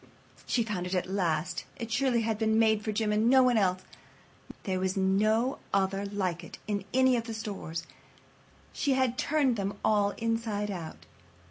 She found it at last. It surely had been made for Jim and no one else. There was no other like it in any of the stores, and she had turned all of them inside out.